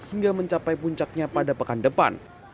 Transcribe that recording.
hingga mencapai puncaknya pada pekan depan